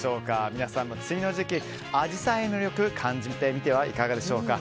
皆さんも梅雨の時期アジサイを感じてみてはいかがでしょうか。